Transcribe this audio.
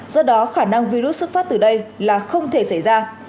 do đó khả năng virus xuất phát từ đây là không thể xảy ra